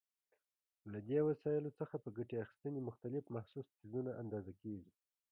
له دې وسایلو څخه په ګټې اخیستنې مختلف محسوس څیزونه اندازه کېږي.